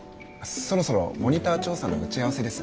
そろそろモニター調査の打ち合わせです